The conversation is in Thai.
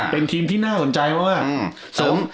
เป็นทีมที่น่าสนใจมาก